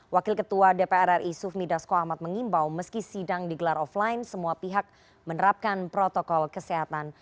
wakil ketua dpr ri sufmi dasko ahmad mengimbau meski sidang digelar offline semua pihak menerapkan protokol kesehatan